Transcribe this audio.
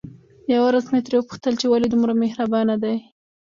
يوه ورځ مې ترې وپوښتل چې ولې دومره مهربانه دي؟